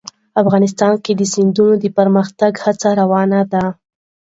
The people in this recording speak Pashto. افغانستان کې د سیندونه د پرمختګ هڅې روانې دي.